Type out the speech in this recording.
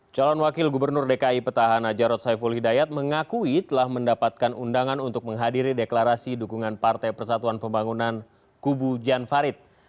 calon wakil gubernur dki petahana jarod saiful hidayat mengakui telah mendapatkan undangan untuk menghadiri deklarasi dukungan partai persatuan pembangunan kubu jan farid